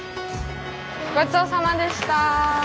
ごちそうさまでした。